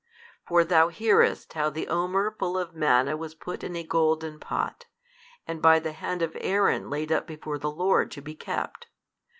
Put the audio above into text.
For thou hearest how the omer full of manna was put in a golden pot, and by the hand of Aaron laid up before the Lord to be kept.